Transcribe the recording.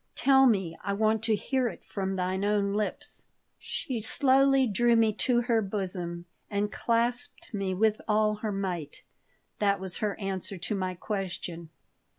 Tell me. I want to hear it from thine own lips." She slowly drew me to her bosom and clasped me with all her might. That was her answer to my question.